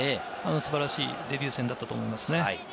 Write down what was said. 素晴らしいデビュー戦だったと思いますね。